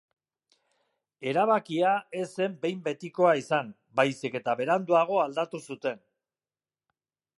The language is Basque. Erabakia ez zen behin-betikoa izan, baizik eta beranduago aldatu zuten.